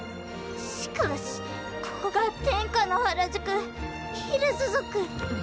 しかしここが天下の原宿ヒルズ族。